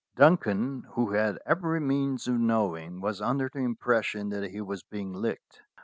Duncan, who had every means of knowing, was under the impression that he was being licked.